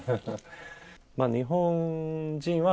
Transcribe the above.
日本人は、